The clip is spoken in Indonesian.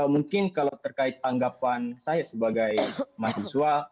mungkin kalau terkait anggapan saya sebagai mahasiswa